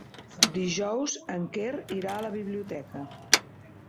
Dijous en Quer irà a la biblioteca.